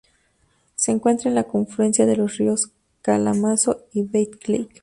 Se encuentra en la confluencia de los ríos Kalamazoo y Battle Creek.